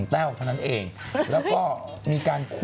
เต้นเก่งสิ